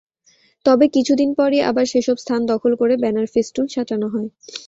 তবে কিছুদিন পরই আবার সেসব স্থান দখল করে ব্যানার-ফেস্টুন সাঁটানো হয়।